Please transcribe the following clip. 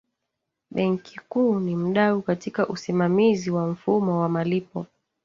benki kuu ni mdau katika usimamizi wa mfumo wa malipo